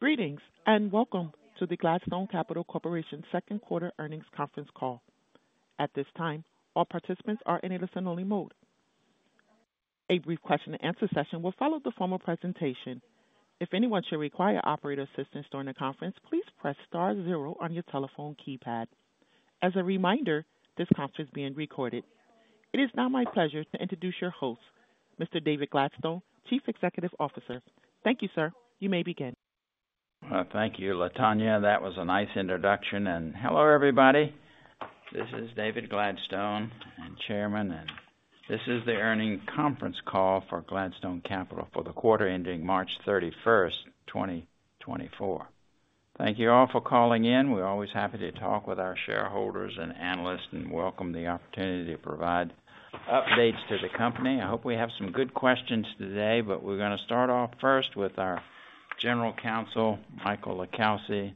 Greetings, and welcome to the Gladstone Capital Corporation Q2 Earnings Conference Call. At this time, all participants are in a listen-only mode. A brief question and answer session will follow the formal presentation. If anyone should require operator assistance during the conference, please press star zero on your telephone keypad. As a reminder, this conference is being recorded. It is now my pleasure to introduce your host, Mr. David Gladstone, Chief Executive Officer. Thank you, sir. You may begin. Well, thank you, Latonya. That was a nice introduction, and hello, everybody. This is David Gladstone, Chairman, and this is the Earnings Conference Call for Gladstone Capital for the quarter ending 31 March, 2024. Thank you all for calling in. We're always happy to talk with our shareholders and analysts and welcome the opportunity to provide updates to the company. I hope we have some good questions today, but we're gonna start off first with our General Counsel, Michael LiCalsi,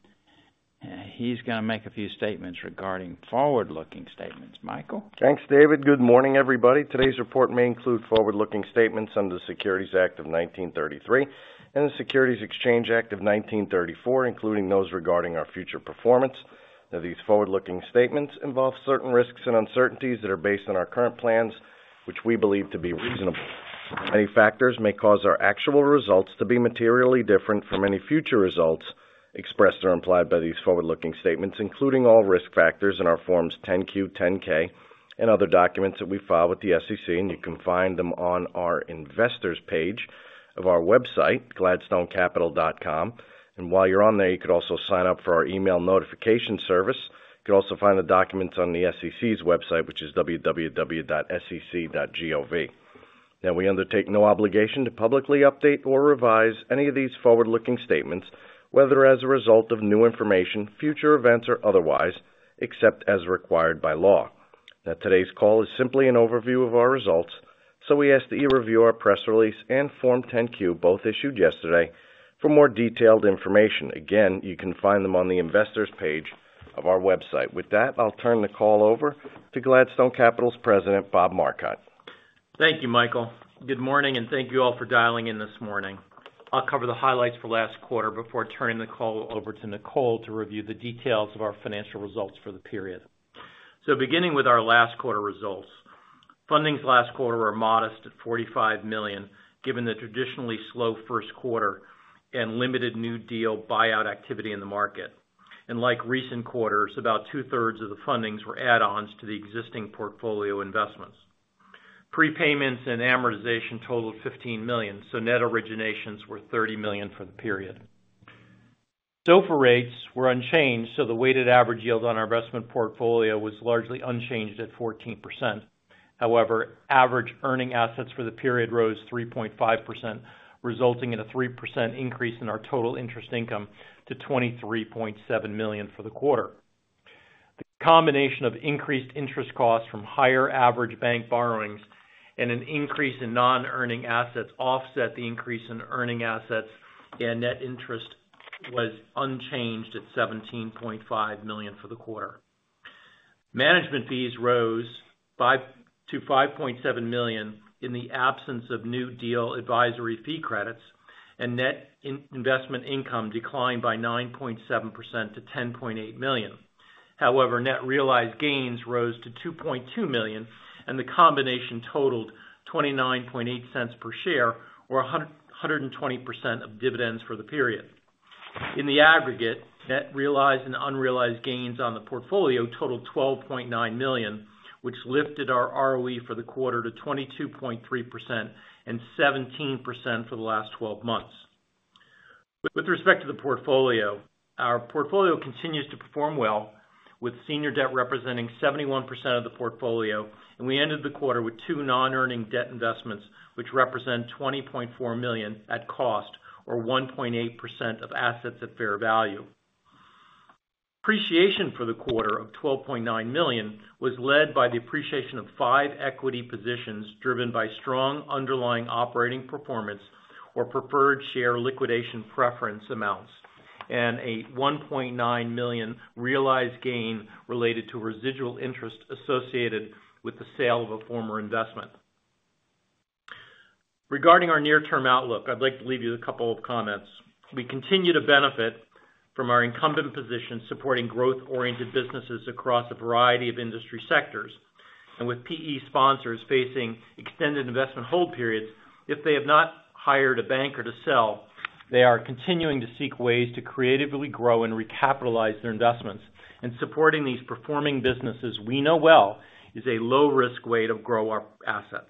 and he's gonna make a few statements regarding forward-looking statements. Michael? Thanks, David. Good morning, everybody. Today's report may include forward-looking statements under the Securities Act of 1933 and the Securities Exchange Act of 1934, including those regarding our future performance. Now, these forward-looking statements involve certain risks and uncertainties that are based on our current plans, which we believe to be reasonable. Many factors may cause our actual results to be materially different from any future results expressed or implied by these forward-looking statements, including all risk factors in our Forms 10-Q, 10-K, and other documents that we file with the SEC, and you can find them on our investors page of our website, gladstonecapital.com. And while you're on there, you could also sign up for our email notification service. You can also find the documents on the SEC's website, which is www.sec.gov. Now, we undertake no obligation to publicly update or revise any of these forward-looking statements, whether as a result of new information, future events, or otherwise, except as required by law. Now, today's call is simply an overview of our results, so we ask that you review our press release and Form 10-Q, both issued yesterday, for more detailed information. Again, you can find them on the Investors page of our website. With that, I'll turn the call over to Gladstone Capital's President, Bob Marcotte. Thank you, Michael. Good morning, and thank you all for dialing in this morning. I'll cover the highlights for last quarter before turning the call over to Nicole to review the details of our financial results for the period. Beginning with our last quarter results. Fundings last quarter were modest at $45 million, given the traditionally slow Q1 and limited new deal buyout activity in the market. Like recent quarters, about two-thirds of the fundings were add-ons to the existing portfolio investments. Prepayments and amortization totaled $15 million, so net originations were $30 million for the period. SOFR rates were unchanged, so the weighted average yield on our investment portfolio was largely unchanged at 14%. However, average earning assets for the period rose 3.5%, resulting in a 3% increase in our total interest income to $23.7 million for the quarter. The combination of increased interest costs from higher average bank borrowings and an increase in non-earning assets offset the increase in earning assets, and net interest was unchanged at $17.5 million for the quarter. Management fees rose five to $5.7 million in the absence of new deal advisory fee credits, and net investment income declined by 9.7% to $10.8 million. However, net realized gains rose to $2.2 million, and the combination totaled $0.298 per share or 120% of dividends for the period. In the aggregate, net realized and unrealized gains on the portfolio totaled $12.9 million, which lifted our ROE for the quarter to 22.3% and 17% for the last 12 months. With respect to the portfolio, our portfolio continues to perform well, with senior debt representing 71% of the portfolio, and we ended the quarter with two non-earning debt investments, which represent $20.4 million at cost or 1.8% of assets at fair value. Appreciation for the quarter of $12.9 million was led by the appreciation of five equity positions, driven by strong underlying operating performance or preferred share liquidation preference amounts, and a $1.9 million realized gain related to residual interest associated with the sale of a former investment. Regarding our near-term outlook, I'd like to leave you with a couple of comments. We continue to benefit from our incumbent position, supporting growth-oriented businesses across a variety of industry sectors. With PE sponsors facing extended investment hold periods, if they have not hired a banker to sell, they are continuing to seek ways to creatively grow and recapitalize their investments. Supporting these performing businesses we know well, is a low-risk way to grow our assets.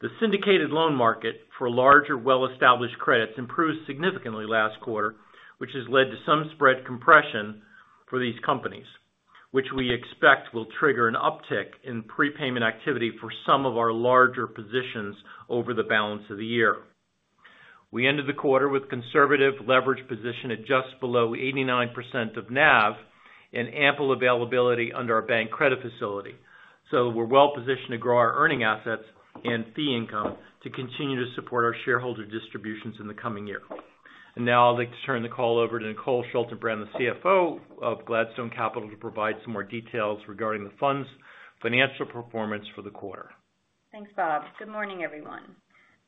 The syndicated loan market for larger, well-established credits improved significantly last quarter, which has led to some spread compression for these companies, which we expect will trigger an uptick in prepayment activity for some of our larger positions over the balance of the year. We ended the quarter with conservative leverage position at just below 89% of NAV and ample availability under our bank credit facility. We're well positioned to grow our earning assets and fee income to continue to support our shareholder distributions in the coming year. Now I'd like to turn the call over to Nicole Schaltenbrand, the CFO of Gladstone Capital, to provide some more details regarding the fund's financial performance for the quarter.... Thanks, Bob. Good morning, everyone.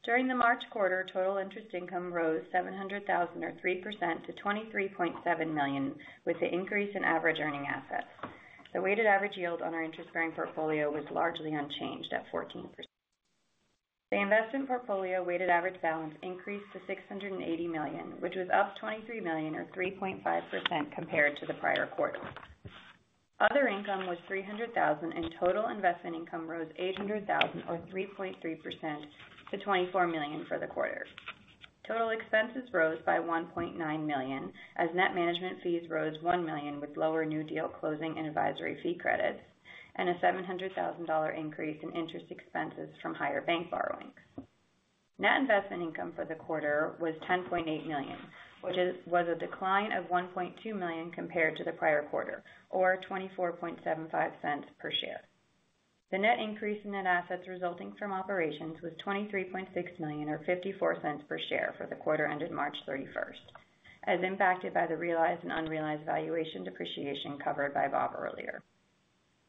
During the March quarter, total interest income rose $700,000 or 3% to $23.7 million, with the increase in average earning assets. The weighted average yield on our interest-bearing portfolio was largely unchanged at 14%. The investment portfolio weighted average balance increased to $680 million, which was up $23 million or 3.5% compared to the prior quarter. Other income was $300,000, and total investment income rose $800,000 or 3.3% to $24 million for the quarter. Total expenses rose by $1.9 million, as net management fees rose $1 million, with lower new deal closing and advisory fee credits, and a $700,000 increase in interest expenses from higher bank borrowings. Net investment income for the quarter was $10.8 million, which was a decline of $1.2 million compared to the prior quarter or $0.2475 per share. The net increase in net assets resulting from operations was $23.6 million or $0.54 per share for the quarter ended March 31, as impacted by the realized and unrealized valuation depreciation covered by Bob earlier.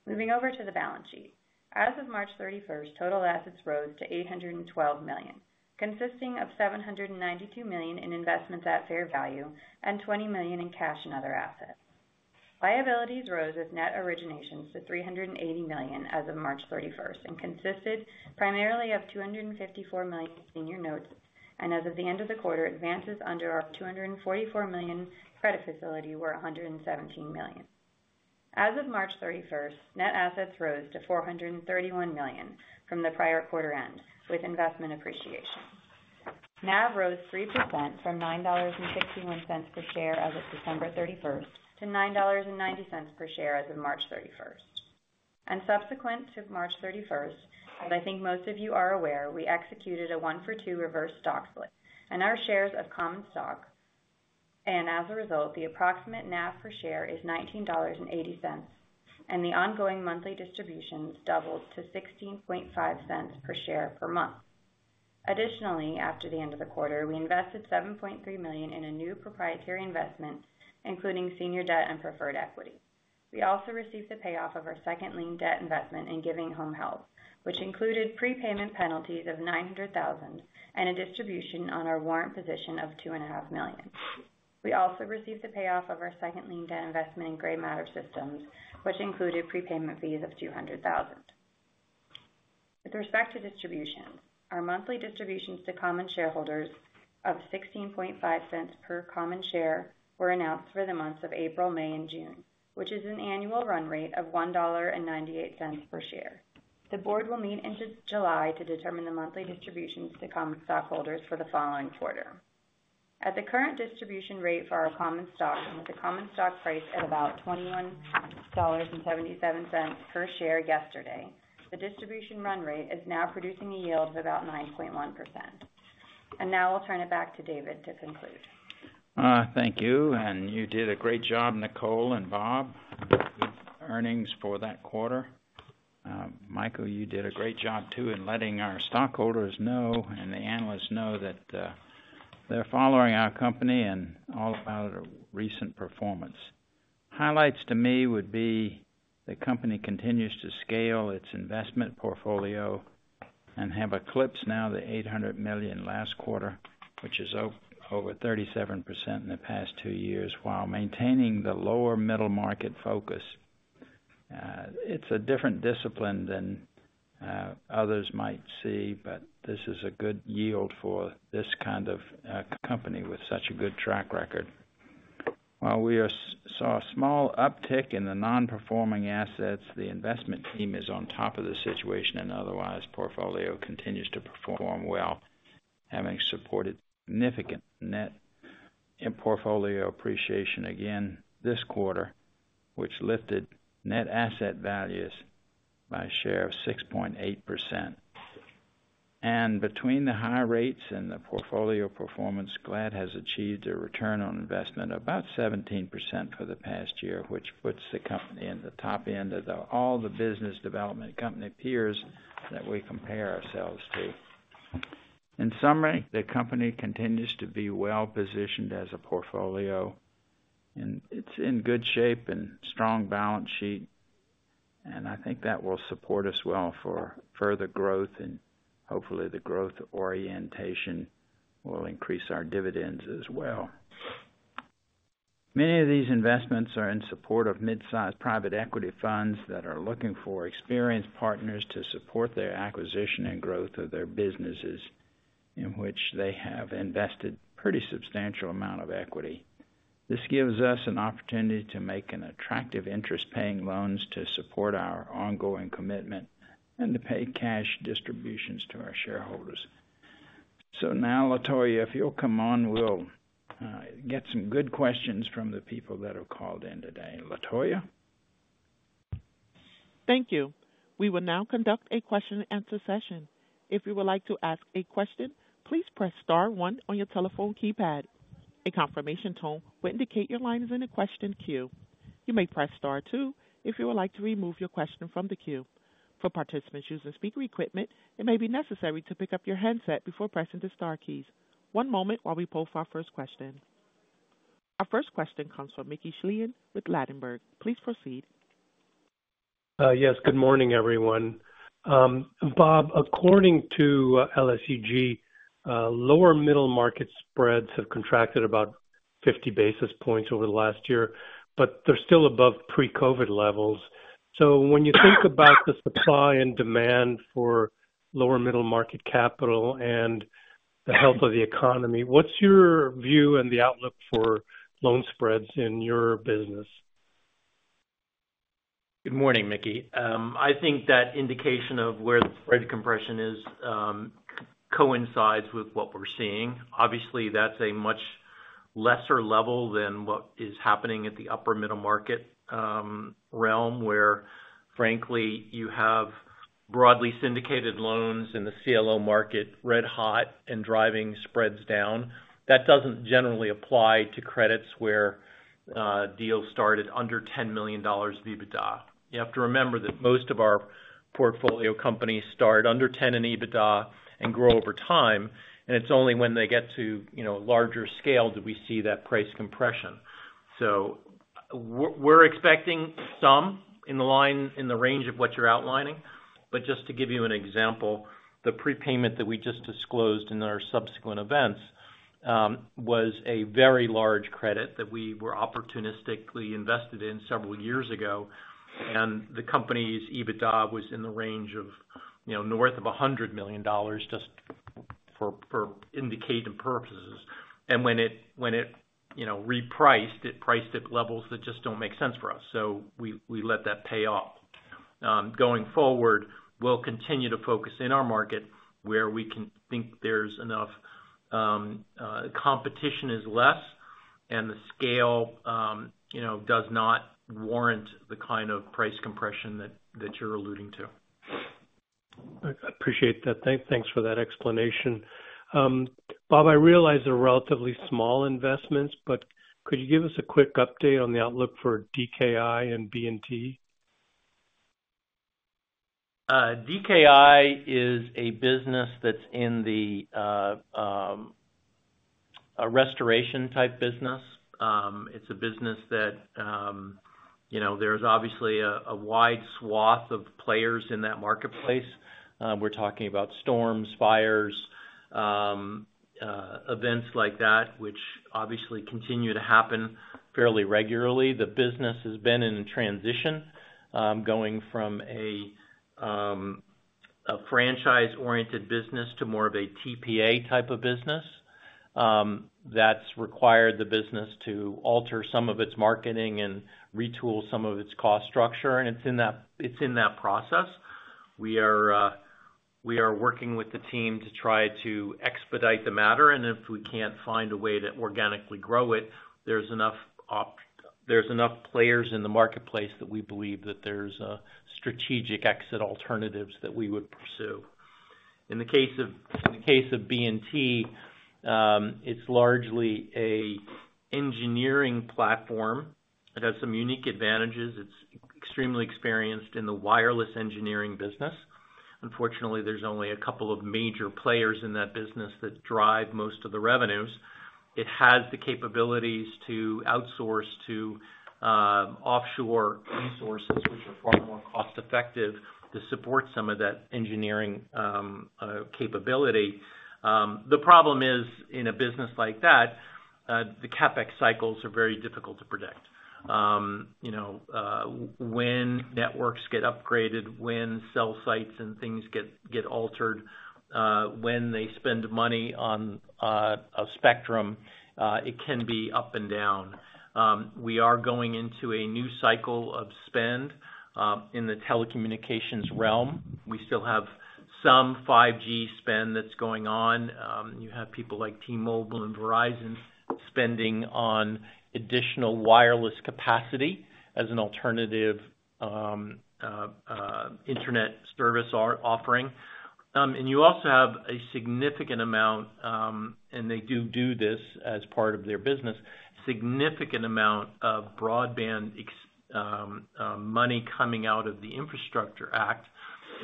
Moving over to the balance sheet. As of 31 March, total assets rose to $812 million, consisting of $792 million in investments at fair value and $20 million in cash and other assets. Liabilities rose with net originations to $380 million as of March 31 and consisted primarily of $254 million senior notes. As of the end of the quarter, advances under our $244 million credit facility were $117 million. As of 31 March, net assets rose to $431 million from the prior quarter end with investment appreciation. NAV rose 3% from $9.61 per share as of 31 December to $9.90 per share as of 31 March. And subsequent to 31 March, as I think most of you are aware, we executed a 1-for-2 reverse stock split in our shares of common stock, and as a result, the approximate NAV per share is $19.80, and the ongoing monthly distributions doubled to $0.165 per share per month. Additionally, after the end of the quarter, we invested $7.3 million in a new proprietary investment, including senior debt and preferred equity. We also received the payoff of our second lien debt investment in Giving Home Health, which included prepayment penalties of $900,000 and a distribution on our warrant position of $2.5 million. We also received the payoff of our second lien debt investment in GrayMatter Systems, which included prepayment fees of $200,000. With respect to distributions, our monthly distributions to common shareholders of $0.165 per common share were announced for the months of April, May, and June, which is an annual run rate of $1.98 per share. The board will meet in July to determine the monthly distributions to common stockholders for the following quarter. At the current distribution rate for our common stock and with the common stock price at about $21.77 per share yesterday, the distribution run rate is now producing a yield of about 9.1%. Now I'll turn it back to David to conclude. Thank you, and you did a great job, Nicole and Bob, with earnings for that quarter. Michael, you did a great job, too, in letting our stockholders know and the analysts know that they're following our company and all about our recent performance. Highlights to me would be the company continues to scale its investment portfolio and have eclipsed now the $800 million last quarter, which is over 37% in the past two years, while maintaining the Lower Middle Market focus. It's a different discipline than others might see, but this is a good yield for this kind of company with such a good track record. While we saw a small uptick in the non-performing assets, the investment team is on top of the situation and otherwise, the portfolio continues to perform well, having supported significant net and portfolio appreciation again this quarter, which lifted net asset values by a share of 6.8%. And between the higher rates and the portfolio performance, GLAD has achieved a return on investment of about 17% for the past year, which puts the company in the top end of the all the business development company peers that we compare ourselves to. In summary, the company continues to be well-positioned as a portfolio, and it's in good shape and strong balance sheet, and I think that will support us well for further growth. And hopefully, the growth orientation will increase our dividends as well. Many of these investments are in support of mid-sized private equity funds that are looking for experienced partners to support their acquisition and growth of their businesses, in which they have invested pretty substantial amount of equity. This gives us an opportunity to make an attractive interest paying loans to support our ongoing commitment and to pay cash distributions to our shareholders. So now, Latoya, if you'll come on, we'll get some good questions from the people that have called in today. Latoya? Thank you. We will now conduct a question and answer session. If you would like to ask a question, please press star one on your telephone keypad. A confirmation tone will indicate your line is in the question queue. You may press star two if you would like to remove your question from the queue. For participants using speaker equipment, it may be necessary to pick up your handset before pressing the star keys. One moment while we poll for our first question. Our first question comes from Mickey Schleien with Ladenburg. Please proceed. Yes, good morning, everyone. Bob, according to LSEG, lower middle market spreads have contracted about 50 basis points over the last year, but they're still above pre-COVID levels. So when you think about the supply and demand for lower middle market capital and the health of the economy, what's your view and the outlook for loan spreads in your business? Good morning, Mickey. I think that indication of where the spread compression is coincides with what we're seeing. Obviously, that's a much lesser level than what is happening at the upper middle market realm, where, frankly, you have broadly syndicated loans in the CLO market, red hot and driving spreads down. That doesn't generally apply to credits where deals start at under $10 million EBITDA. You have to remember that most of our portfolio companies start under $10 million in EBITDA and grow over time, and it's only when they get to, you know, larger scale do we see that price compression. So we're expecting some in the range of what you're outlining. But just to give you an example, the prepayment that we just disclosed in our subsequent events was a very large credit that we were opportunistically invested in several years ago, and the company's EBITDA was in the range of, you know, north of $100 million just for indicative purposes. And when it repriced, it priced at levels that just don't make sense for us. So we let that pay off. Going forward, we'll continue to focus in our market where we can think there's enough competition is less and the scale, you know, does not warrant the kind of price compression that you're alluding to. I appreciate that. Thanks for that explanation. Bob, I realize they're relatively small investments, but could you give us a quick update on the outlook for DKI and B+T? DKI is a business that's in the restoration-type business. It's a business that, you know, there's obviously a wide swath of players in that marketplace. We're talking about storms, fires, events like that, which obviously continue to happen fairly regularly. The business has been in transition, going from a franchise-oriented business to more of a TPA type of business. That's required the business to alter some of its marketing and retool some of its cost structure, and it's in that, it's in that process. We are, we are working with the team to try to expedite the matter, and if we can't find a way to organically grow it, there's enough players in the marketplace that we believe that there's strategic exit alternatives that we would pursue. In the case of B+T, it's largely a engineering platform. It has some unique advantages. It's extremely experienced in the wireless engineering business. Unfortunately, there's only a couple of major players in that business that drive most of the revenues. It has the capabilities to outsource to offshore resources, which are far more cost-effective to support some of that engineering capability. The problem is, in a business like that, the CapEx cycles are very difficult to predict. You know, when networks get upgraded, when cell sites and things get altered, when they spend money on a spectrum, it can be up and down. We are going into a new cycle of spend in the telecommunications realm. We still have some 5G spend that's going on. You have people like T-Mobile and Verizon spending on additional wireless capacity as an alternative internet service offering. And you also have a significant amount, and they do this as part of their business, significant amount of broadband expansion money coming out of the Infrastructure Act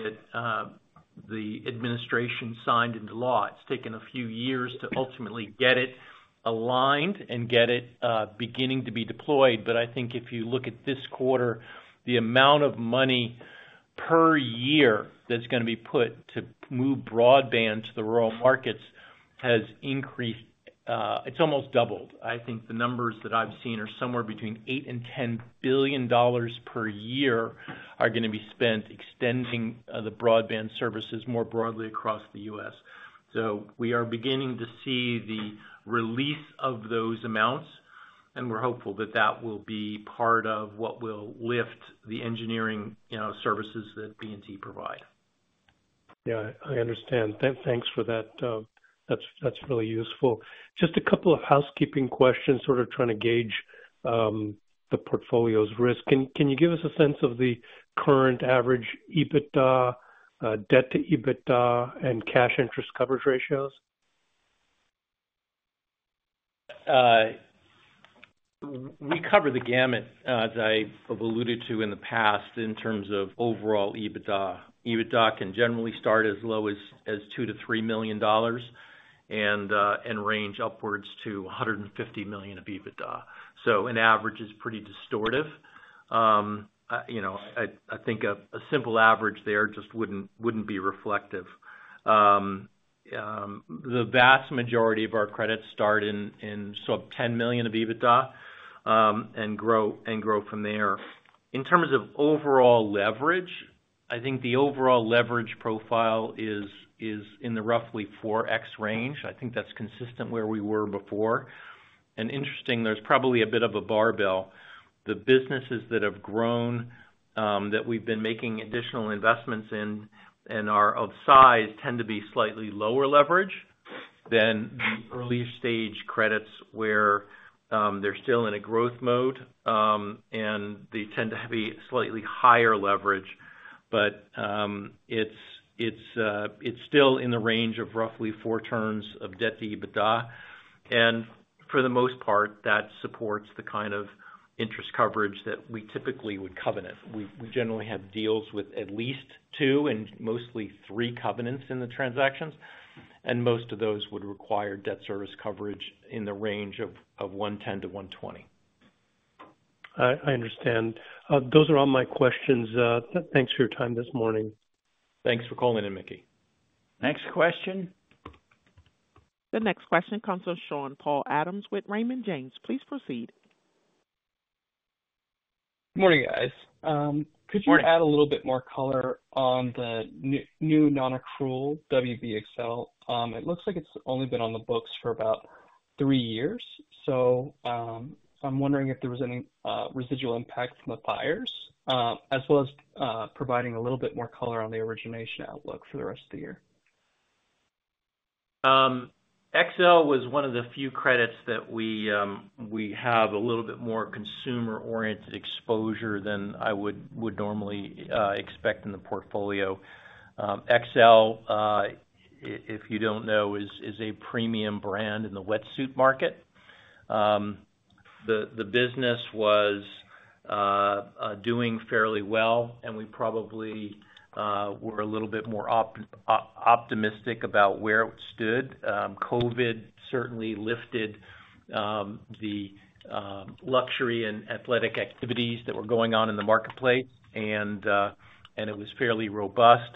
that the administration signed into law. It's taken a few years to ultimately get it aligned and get it beginning to be deployed. But I think if you look at this quarter, the amount of money per year that's gonna be put to move broadband to the rural markets has increased, it's almost doubled. I think the numbers that I've seen are somewhere between $8 billion-$10 billion per year that's gonna be spent extending the broadband services more broadly across the U.S. So we are beginning to see the release of those amounts, and we're hopeful that that will be part of what will lift the engineering, you know, services that B+T provide. Yeah, I understand. Thanks for that. That's really useful. Just a couple of housekeeping questions, sort of trying to gauge the portfolio's risk. Can you give us a sense of the current average EBITDA, debt to EBITDA, and cash interest coverage ratios? We cover the gamut, as I have alluded to in the past, in terms of overall EBITDA. EBITDA can generally start as low as $2 million-$3 million and range upwards to $150 million of EBITDA. So an average is pretty distortive. You know, I think a simple average there just wouldn't be reflective. The vast majority of our credits start in sub-$10 million of EBITDA and grow from there. In terms of overall leverage, I think the overall leverage profile is in the roughly 4x range. I think that's consistent where we were before. Interesting, there's probably a bit of a barbell. The businesses that have grown, that we've been making additional investments in and are of size, tend to be slightly lower leverage than the early stage credits, where they're still in a growth mode, and they tend to be slightly higher leverage. But, it's still in the range of roughly 4 turns of debt to EBITDA. And for the most part, that supports the kind of interest coverage that we typically would covenant. We generally have deals with at least 2 and mostly 3 covenants in the transactions, and most of those would require debt service coverage in the range of 1.10-1.20. I understand. Those are all my questions. Thanks for your time this morning. Thanks for calling in, Mickey. Next question. The next question comes from Sean-Paul Adams with Raymond James. Please proceed. Morning, guys. Could you- Morning. Add a little bit more color on the new, new non-accrual Xcel? It looks like it's only been on the books for about three years, so, I'm wondering if there was any residual impact from the buyers, as well as providing a little bit more color on the origination outlook for the rest of the year. Xcel was one of the few credits that we have a little bit more consumer-oriented exposure than I would normally expect in the portfolio. Xcel, if you don't know, is a premium brand in the wetsuit market. The business was doing fairly well, and we probably were a little bit more optimistic about where it stood. COVID certainly lifted the luxury and athletic activities that were going on in the marketplace, and it was fairly robust.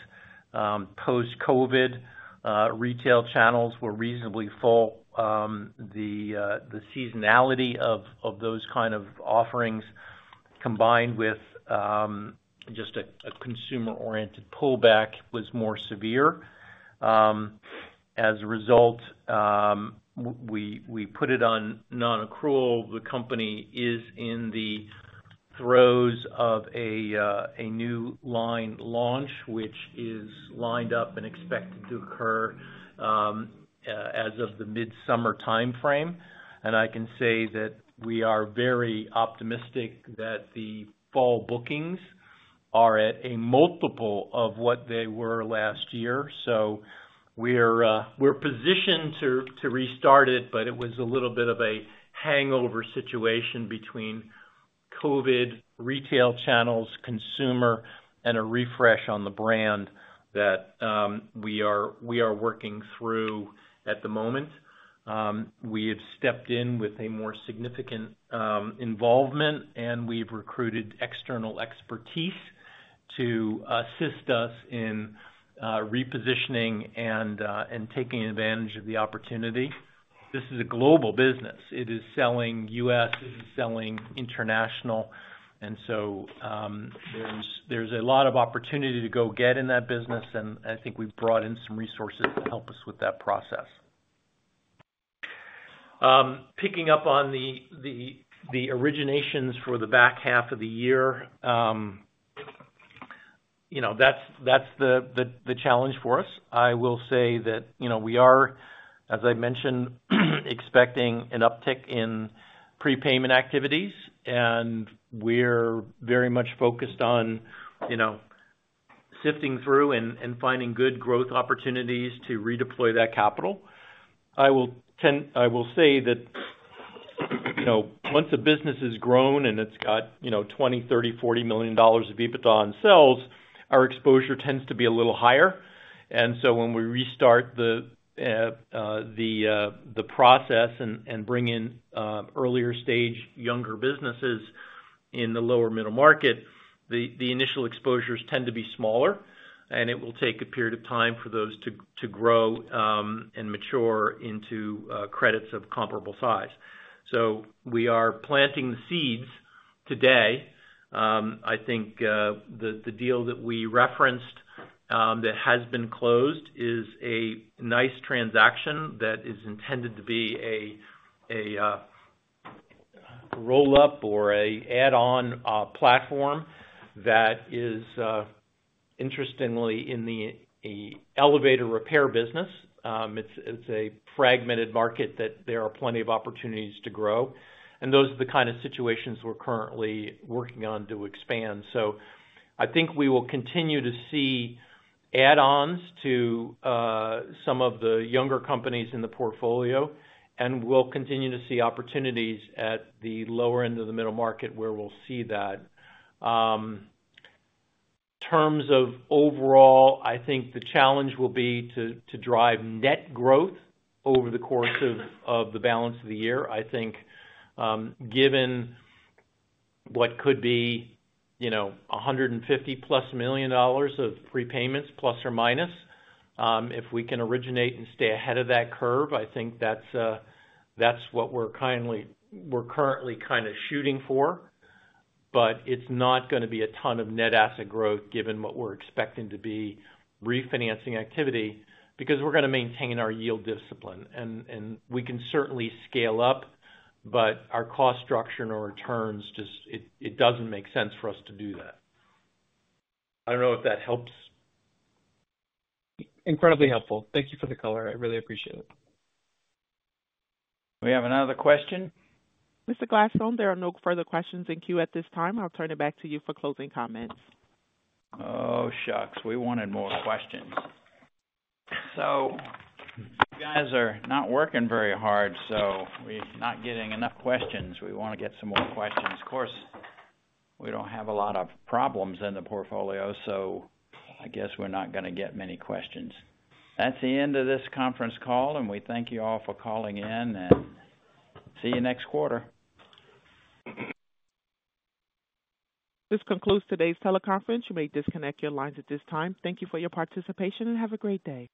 Post-COVID, retail channels were reasonably full. The seasonality of those kind of offerings, combined with just a consumer-oriented pullback, was more severe. As a result, we put it on non-accrual. The company is in the throes of a new line launch, which is lined up and expected to occur as of the mid-summer timeframe. And I can say that we are very optimistic that the fall bookings are at a multiple of what they were last year. So we're positioned to restart it, but it was a little bit of a hangover situation between COVID, retail channels, consumer, and a refresh on the brand that we are working through at the moment. We have stepped in with a more significant involvement, and we've recruited external expertise to assist us in repositioning and taking advantage of the opportunity. This is a global business. It is selling U.S., it is selling international, and so, there's, there's a lot of opportunity to go get in that business, and I think we've brought in some resources to help us with that process. Picking up on the, the, the originations for the back half of the year. You know, that's, that's the, the, the challenge for us. I will say that, you know, we are, as I mentioned, expecting an uptick in prepayment activities, and we're very much focused on, you know, sifting through and, and finding good growth opportunities to redeploy that capital. I will say that, you know, once a business has grown and it's got, you know, $20 million, $30 million, $40 million of EBITDA and sells, our exposure tends to be a little higher. So when we restart the process and bring in earlier stage, younger businesses in the lower middle market, the initial exposures tend to be smaller, and it will take a period of time for those to grow and mature into credits of comparable size. We are planting the seeds today. I think the deal that we referenced that has been closed is a nice transaction that is intended to be a roll-up or add-on platform that is interestingly in the elevator repair business. It's a fragmented market that there are plenty of opportunities to grow, and those are the kind of situations we're currently working on to expand. So I think we will continue to see add-ons to some of the younger companies in the portfolio, and we'll continue to see opportunities at the lower end of the middle market, where we'll see that. Terms of overall, I think the challenge will be to drive net growth over the course of the balance of the year. I think, given what could be, you know, $150+ million of prepayments, plus or minus, if we can originate and stay ahead of that curve, I think that's what we're currently kind of shooting for. But it's not gonna be a ton of net asset growth given what we're expecting to be refinancing activity, because we're gonna maintain our yield discipline and we can certainly scale up, but our cost structure and our returns just... It doesn't make sense for us to do that. I don't know if that helps. Incredibly helpful. Thank you for the color. I really appreciate it. We have another question? Mr. Gladstone, there are no further questions in queue at this time. I'll turn it back to you for closing comments. Oh, shucks, we wanted more questions. So you guys are not working very hard, so we're not getting enough questions. We want to get some more questions. Of course, we don't have a lot of problems in the portfolio, so I guess we're not gonna get many questions. That's the end of this conference call, and we thank you all for calling in, and see you next quarter. This concludes today's teleconference. You may disconnect your lines at this time. Thank you for your participation, and have a great day.